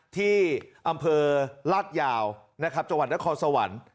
ที่อำเภอราชยาวจังหวัดด้านคอสวรรค์